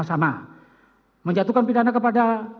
telah menghadap dari tampo